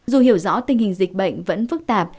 dù hiểu rõ tình hình dịch bệnh vẫn phức tạp